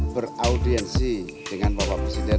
beraudiensi dengan bapak presiden